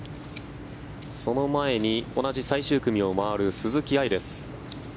その前に同じ最終組を回る鈴木愛です。